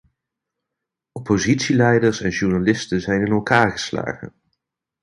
Oppositieleiders en journalisten zijn in elkaar geslagen.